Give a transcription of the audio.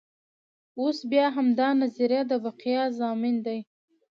اوس بیا همدا نظریه د بقا ضامن دی.